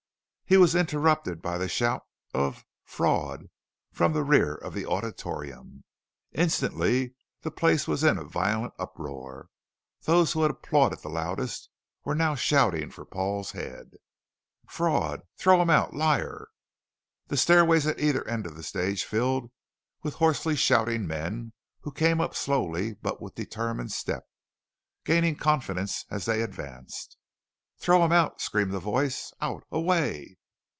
He was interrupted by the shout of "Fraud!" from the rear of the auditorium. Instantly the place was in a violent uproar, those who had applauded the loudest were now shouting for Paul's head. "Fraud!" "Throw him out!" "Liar!" The stairways at either end of the stage filled with hoarsely shouting men who came up slowly but with determined step, gaining confidence as they advanced. "Throw him out!" screamed a voice. "Out!" "Away!"